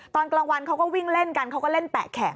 ตอนกลางวันเขาก็วิ่งเล่นกันเขาก็เล่นแปะแขก